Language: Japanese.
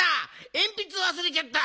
えんぴつわすれちゃった！